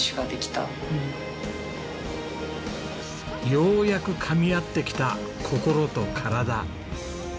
ようやくかみ合ってきた心と体。